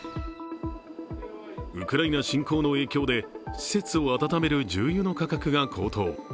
ウクライナ侵攻の影響で施設を温める重油の価格が高騰。